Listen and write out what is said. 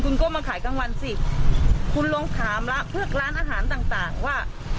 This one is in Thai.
คุณก็มาขายกลางวันสิคุณลองถามละพวกร้านอาหารต่างต่างว่า